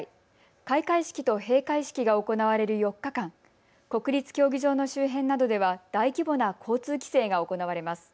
開会式と閉会式が行われる４日間、国立競技場の周辺などでは大規模な交通規制が行われます。